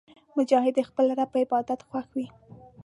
مجاهد د خپل رب په عبادت خوښ وي.